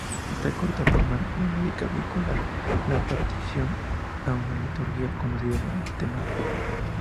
Esta corta forma melódica vincula la partición a una liturgia conocida de antemano.